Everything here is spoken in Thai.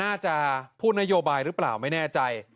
น่าจะพูดนโยบายหรือเปล่าไม่แน่ใจ